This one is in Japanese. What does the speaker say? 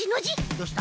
どうした？